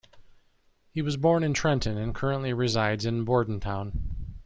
He was born in Trenton, and currently resides in Bordentown.